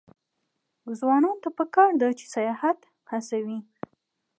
ځوانانو ته پکار ده چې، سیاحت هڅوي.